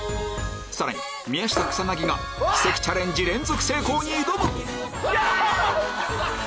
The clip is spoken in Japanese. さらに宮下草薙が奇跡チャレンジ連続成功に挑むよし！